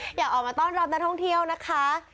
อยากออกมาต้อนรับนักท่องเที่ยวนะคะ